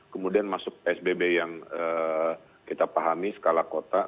kemudian masuk psbb yang kita pahami skala kota